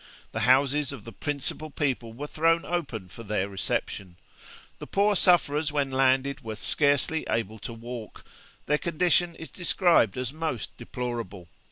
The houses of the principal people were thrown open for their reception. The poor sufferers when landed were scarcely able to walk; their condition is described as most deplorable.